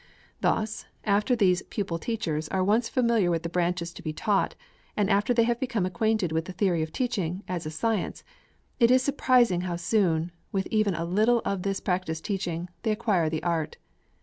Thus, after these pupil teachers are once familiar with the branches to be taught, and after they have become acquainted with the theory of teaching, as a science, it is surprising how soon, with even a little of this practice teaching, they acquire the art.